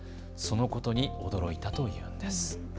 そのことに驚いたといいます。